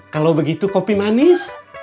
kalau begitu kopi manis